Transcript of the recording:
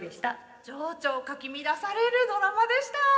情緒をかき乱されるドラマでした！